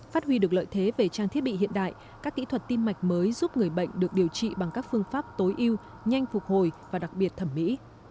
phát huy được lợi thế về trang thiết bị hiện đại các kỹ thuật tim mạch mới giúp người bệnh được điều trị bằng các phương pháp tối ưu nhanh phục hồi và đặc biệt thẩm mỹ